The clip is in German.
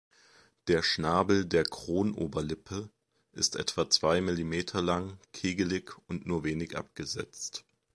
Der Schnabel der Kron-Oberlippe ist etwa zwei Millimeter lang, kegelig und nur wenig abgesetzt.